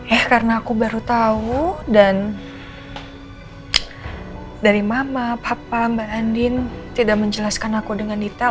eh karena aku baru tahu dan dari mama papa mbak andin tidak menjelaskan aku dengan detail